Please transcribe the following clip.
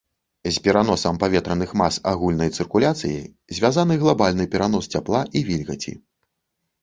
З пераносам паветраных мас агульнай цыркуляцыяй звязаны глабальны перанос цяпла і вільгаці.